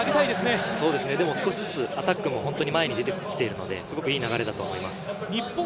少しずつアタックも前に出てきているので、すごくいい流れだと思います。